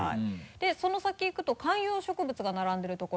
でその先行くと観葉植物が並んでいるところ。